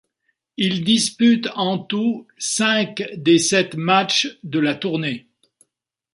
Il dispute en tout cinq des sept matchs de la tournée.